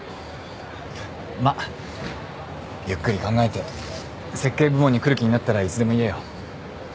まっゆっくり考えて設計部門に来る気になったらいつでも言えよ。